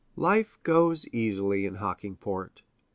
Life goes easily in Hockingport.